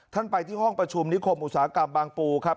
ไปที่ห้องประชุมนิคมอุตสาหกรรมบางปูครับ